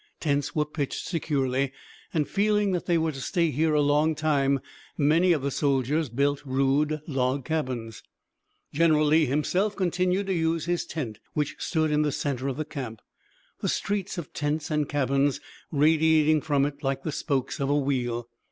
Tents were pitched securely, and, feeling that they were to stay here a long time many of the soldiers built rude log cabins. General Lee himself continued to use his tent, which stood in the center of the camp, the streets of tents and cabins radiating from it like the spokes of a wheel.